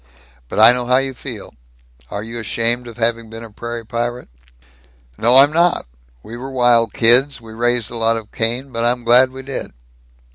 But I know how you feel. Are you ashamed of having been a prairie pirate?" "No, I'm not! We were wild kids we raised a lot of Cain but I'm glad we did."